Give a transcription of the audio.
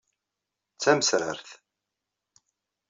D tamesrart.